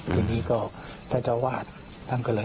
ทีนี้ก็ท่านเจ้าวาดท่านก็เลย